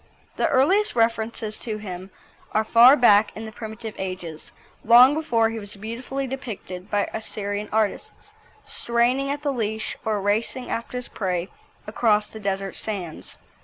The earliest references to him are far back in the primitive ages, long before he was beautifully depicted by Assyrian artists, straining at the leash or racing after his prey across the desert sands.